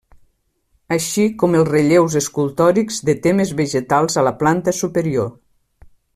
Així com els relleus escultòrics de temes vegetals a la planta superior.